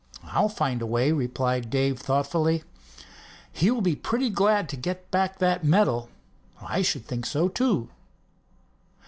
"I'll find a way," replied Dave thoughtfully. "He will be pretty glad to get back that medal." "I should think so, too."